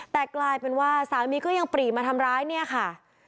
แต่กลายเป็นว่าสามีก็ยังปรีมาทำร้ายเนี่ยค่ะ